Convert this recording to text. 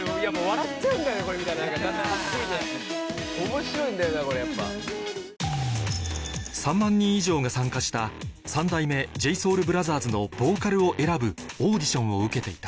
すぐに光に包まれる３万人以上が参加した「三代目 ＪＳＯＵＬＢＲＯＴＨＥＲＳ」のボーカルを選ぶオーディションを受けていた